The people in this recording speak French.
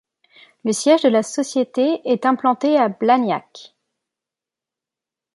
Le siège de la société est implanté à Blagnac.